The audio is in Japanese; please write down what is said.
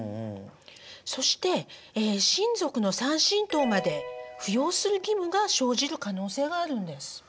そして親族の３親等まで扶養する義務が生じる可能性があるんです。